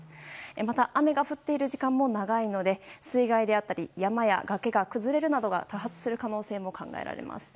また雨が降っている時間も長いので水害であったり山や崖が崩れるなどが多発する可能性も考えられます。